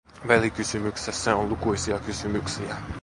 Välikysymyksessä on lukuisia kysymyksiä.